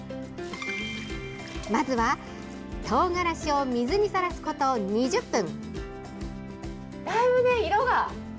まずは、トウガラシを水にさらすこと２０分。